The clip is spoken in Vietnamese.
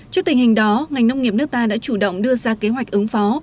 trước tình hình đó ngành nông nghiệp nước ta đã chủ động đưa ra kế hoạch ứng phó